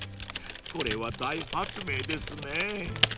［これは大発明ですね］